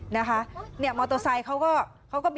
นะฮะหมอโตซัยเขาก็